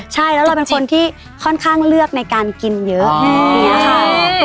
ใช่แล้วเราเป็นคนที่ค่อนข้างเลือกในการกินเยอะ